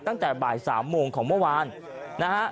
ตั้งแต่บ่าย๓โมงของเมื่อวานนะฮะ